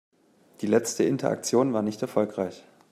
Die letzte Interaktion war nicht erfolgreich.